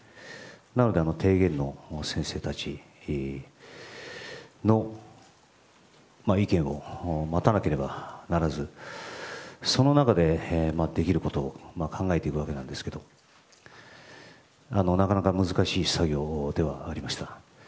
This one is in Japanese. なので、提言の先生たちの意見を待たなければならずその中でできることを考えていくわけなんですけどなかなか難しい作業ではありました。